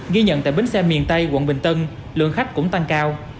ghi nhận tại bến xe miền tây quận bình tân lượng khách cũng tăng cao